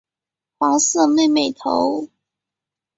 黄色妹妹头。